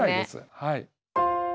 はい。